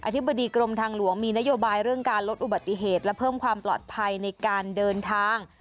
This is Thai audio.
ธิบดีกรมทางหลวงมีนโยบายเรื่องการลดอุบัติเหตุและเพิ่มความปลอดภัยในการเดินทาง